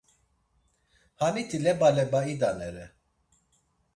Haniti leba leba idanere.